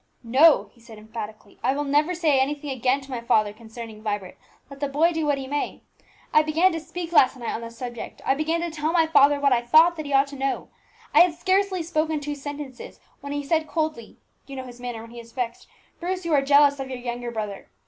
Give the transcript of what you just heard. "No," he replied emphatically; "I will never say anything again to my father concerning Vibert, let the boy do what he may. I began to speak last night on the subject; I began to tell my father what I thought that he ought to know. I had scarcely spoken two sentences, when he said coldly you know his manner when he is vexed 'Bruce, you are jealous of your younger brother.'